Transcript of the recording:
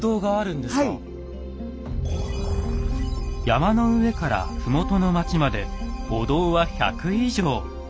山の上から麓の町までお堂は１００以上！